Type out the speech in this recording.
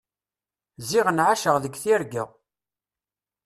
Ziɣen ɛaceɣ deg tirga.